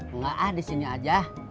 enggak ah disini aja